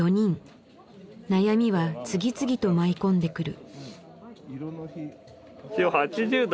悩みは次々と舞い込んでくる。